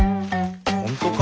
本当か？